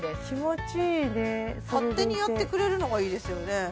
気持ちいいね勝手にやってくれるのがいいですよね